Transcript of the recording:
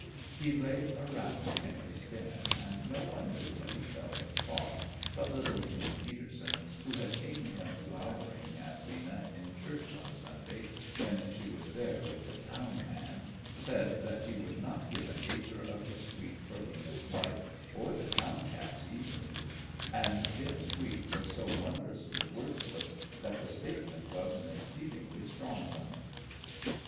He lay around in his den and no one knew what he felt or thought, but little Jim Peterson, who had seen him glowering at Lena in church one Sunday when she was there with the town man, said that he would not give an acre of his wheat for Lena's life or the town chap's either; and Jim's wheat was so wondrously worthless that the statement was an exceedingly strong one.